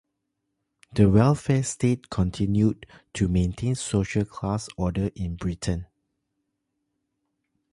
The welfare state continued to maintain social class order in Britain.